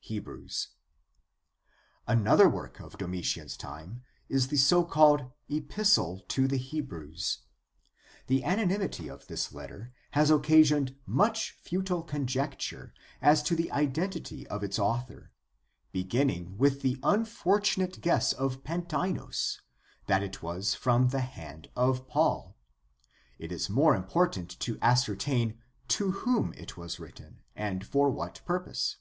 Hebrews. — ^Another work of Domitian's time is the so called Epistle to the Hebrews. The anonymity of this letter has occasioned much futile conjecture as to the identity of its author, beginning with the unfortunate guess of Pantaenus that it was from the hand of Paul. It is more important to ascertain to whom it was written and for what purpose.